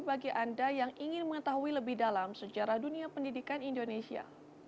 bagi anda yang ingin mengetahui lebih dalam sejarah dunia pendidikan indonesia